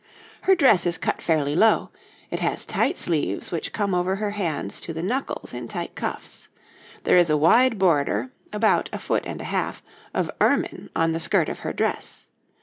Her dress is cut fairly low; it has tight sleeves which come over her hands to the knuckles in tight cuffs. There is a wide border, about a foot and a half, of ermine on the skirt of her dress.